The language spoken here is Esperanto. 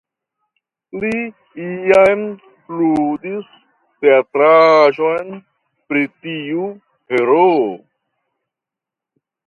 Li iam ludis teatraĵon pri tiu heroo.